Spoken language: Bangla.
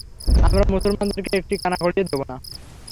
আমরা মুসলমানদেরকে একটি কানাকড়িও দেব না।